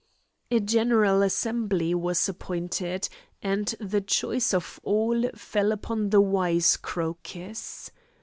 A general assembly was appointed, and the choice of all fell upon the wise Crocus.